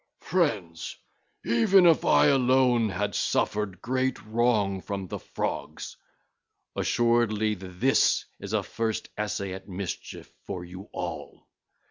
(ll. 110 121) 'Friends, even if I alone had suffered great wrong from the Frogs, assuredly this is a first essay at mischief for you all.